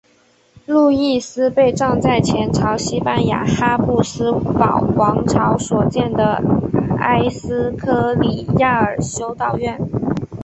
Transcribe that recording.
路易斯被葬在前朝西班牙哈布斯堡王朝所建的埃斯科里亚尔修道院。